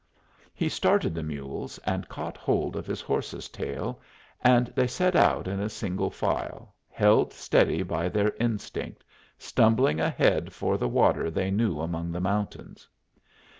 He started the mules, and caught hold of his horse's tail, and they set out in single file, held steady by their instinct, stumbling ahead for the water they knew among the mountains.